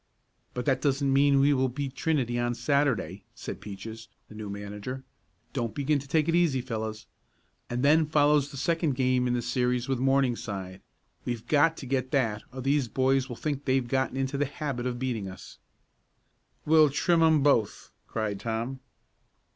"But that doesn't mean we will beat Trinity on Saturday," said Peaches, the new manager. "Don't begin to take it easy, fellows. And then follows the second game in the series with Morningside. We've got to get that or those boys will think they've gotten into the habit of beating us." "We'll trim 'em both!" cried Tom.